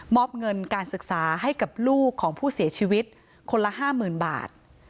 อบเงินการศึกษาให้กับลูกของผู้เสียชีวิตคนละ๕๐๐๐บาท